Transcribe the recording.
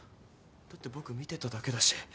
だって僕見てただけだし。